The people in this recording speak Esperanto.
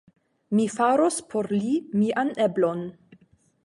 Mi faros por li mian eblon.